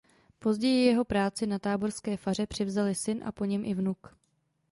Později jeho práci na táborské faře převzali syn a po něm i vnuk.